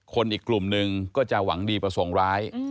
อีกกลุ่มหนึ่งก็จะหวังดีประสงค์ร้าย